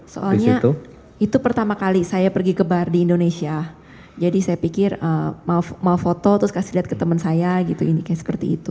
soalnya itu pertama kali saya pergi ke bar di indonesia jadi saya pikir mau foto terus kasih lihat ke temen saya gitu indikasi seperti itu